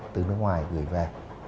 từ nước ngoài gửi về